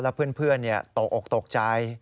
แล้วเพื่อนตกออกตกใจ